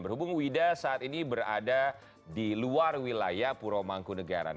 berhubung wida saat ini berada di luar wilayah puromangkunegaran